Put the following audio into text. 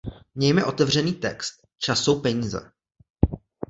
Mějme otevřený text „čas jsou peníze“.